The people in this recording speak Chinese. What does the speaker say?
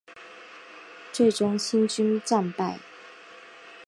最终清军战败。